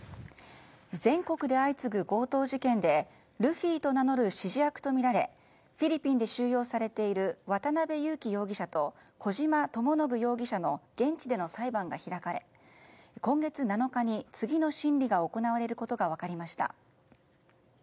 全国で相次ぐ強盗事件でルフィと名乗る指示役とみられフィリピンで収容されている渡辺優樹容疑者と小島智信容疑者の現地での裁判が開かれ今月７日に次の審理が行われることが分かりました。